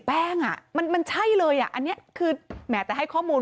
แป้งอ่ะมันใช่เลยอ่ะอันนี้คือแหมแต่ให้ข้อมูล